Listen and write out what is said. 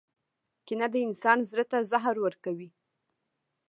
• کینه د انسان زړۀ ته زهر ورکوي.